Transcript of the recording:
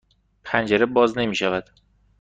پنجره باز نمی شود.